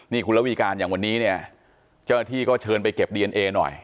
นี่คุณระวีการอย่างวันนี้เนี่ยเจ้าหน้าที่ก็เชิญไปเก็บดีเอนเอหน่อย